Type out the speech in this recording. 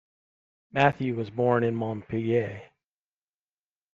Mathieu was born in Montpellier.